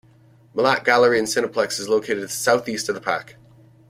Mellat Gallery and Cineplex is located to the southeast of the park.